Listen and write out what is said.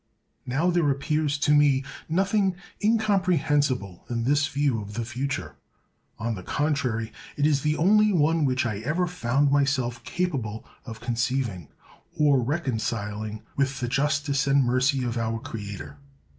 Now, there appears to me nothing incomprehensible in this view of the future; on the contrary, it is the only one which I ever found myself capable of conceiving or reconciling with the justice and mercy of our Creator.